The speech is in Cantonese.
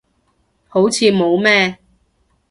好似冇咩